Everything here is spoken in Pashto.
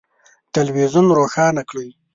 تلویزون روښانه کړئ